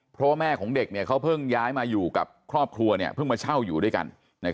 เพราะว่าแม่ของเด็กเขาเพิ่งย้ายมาอยู่กับครอบครัวเพิ่งมาเช่าอยู่ด้วยกัน